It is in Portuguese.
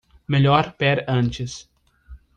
Melhor pé antes